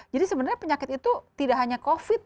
jadi sebenarnya penyakit itu tidak hanya covid sembilan belas